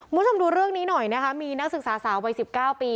คุณผู้ชมดูเรื่องนี้หน่อยนะคะมีนักศึกษาสาววัย๑๙ปี